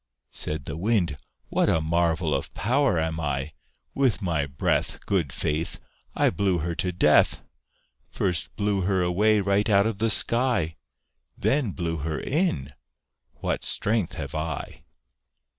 Said the Wind "What a marvel of power am I! With my breath, Good faith! I blew her to death First blew her away right out of the sky Then blew her in; what strength have I!"